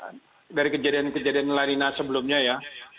ya dari catatan kami dari kejadian kejadian lanina sebelumnya ya